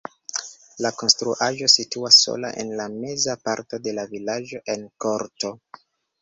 La konstruaĵo situas sola en la meza parto de la vilaĝo en korto.